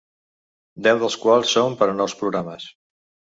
Deu dels quals són per a nous programes.